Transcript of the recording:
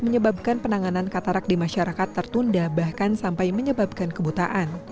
menyebabkan penanganan katarak di masyarakat tertunda bahkan sampai menyebabkan kebutaan